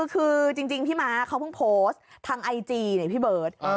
คือจริงพี่ม้าเขาเพิ่งโพสต์ทางไอจีเนี่ยพี่เบิร์ต